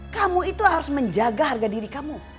kamu itu harus menjaga harga diri kamu